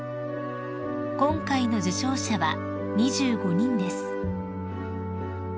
［今回の受賞者は２５人です］